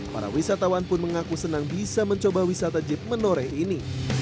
para wisatawan pun mengaku senang bisa mencoba wisata jeep menoreh ini